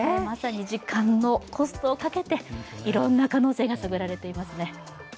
まさに時間とコストをかけて、いろんな可能性が探られています。